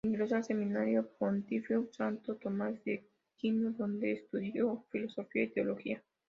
Ingresó al Seminario Pontificio Santo Tomás de Aquino, donde estudió filosofía y teología.